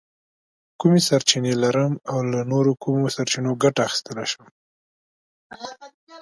کومې سرچینې لرم او له نورو کومو سرچینو ګټه اخیستلی شم؟